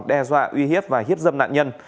đe dọa uy hiếp và hiếp dâm nạn nhân